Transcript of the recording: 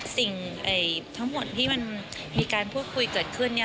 สิ่งทั้งหมดที่มันมีการพูดคุยเกิดขึ้น